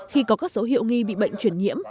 khi có các dấu hiệu nghi bị bệnh chuyển nhiễm